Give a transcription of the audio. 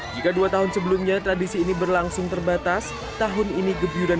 jika dua tahun sebelumnya tradisi ini berlangsung terbatas tahun ini gebiran